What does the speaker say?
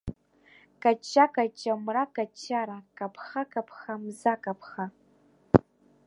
Каҷҷа-каҷҷа, мра каҷҷара, каԥха-каԥха, мза каԥха.